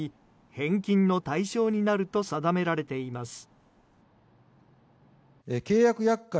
返金の対象になると定められています。